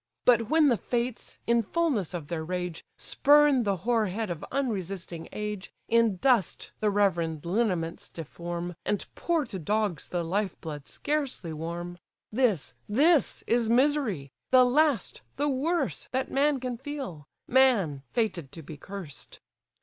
But when the fates, in fulness of their rage, Spurn the hoar head of unresisting age, In dust the reverend lineaments deform, And pour to dogs the life blood scarcely warm: This, this is misery! the last, the worse, That man can feel! man, fated to be cursed!"